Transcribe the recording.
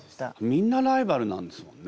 みんなライバルなんですもんね。